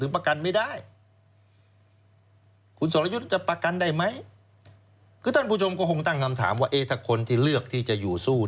แปลงเอาไว้ซิครับ